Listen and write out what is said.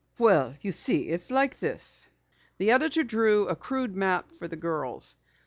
"Well, you see, it's like this." The editor drew a crude map for the girls.